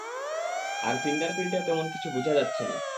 আর finger প্রিন্টেও তেমন কিছু বুঝা যাচ্ছে না।